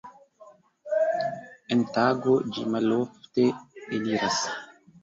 En tago ĝi malofte eliras.